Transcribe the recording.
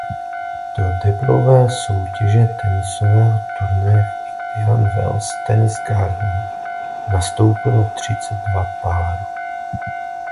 Do deblové soutěže tenisového turnaje v Indian Wells Tennis Garden nastoupilo třicet dva párů.